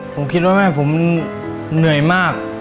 ผมคิดว่าแม่ผมเหนื่อยมาก